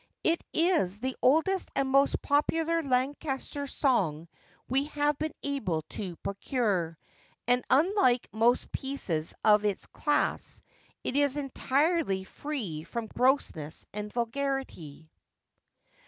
It is the oldest and most popular Lancashire song we have been able to procure; and, unlike most pieces of its class, it is entirely free from grossness and vulgarity.